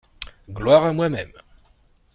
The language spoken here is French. Gloire à moi-même!